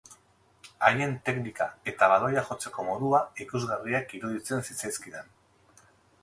Haien teknika eta baloia jotzeko modua ikusgarriak iruditzen zitzaizkidan.